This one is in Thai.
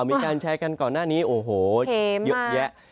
มีการแชร์กันก่อนหน้านี้โอ้โหเยอะแยะ